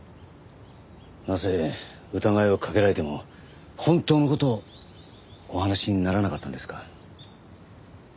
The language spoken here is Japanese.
なぜ疑いをかけられても本当の事をお話しにならなかったんですか？